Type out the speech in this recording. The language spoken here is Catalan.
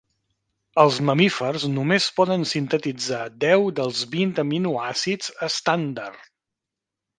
Els mamífers només poden sintetitzar deu dels vint aminoàcids estàndard.